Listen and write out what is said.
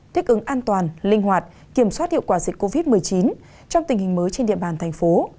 thích ứng an toàn linh hoạt kiểm soát hiệu quả dịch covid một mươi chín trong tình hình mới trên địa bàn thành phố